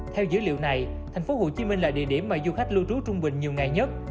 theo dữ liệu này tp hcm là địa điểm mà du khách lưu trú trung bình nhiều ngày nhất